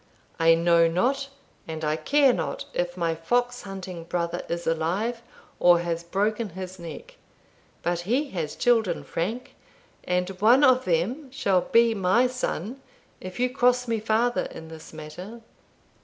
I know not, and I care not, if my fox hunting brother is alive, or has broken his neck; but he has children, Frank, and one of them shall be my son if you cross me farther in this matter."